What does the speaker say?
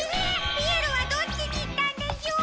ピエロはどっちにいったんでしょう！？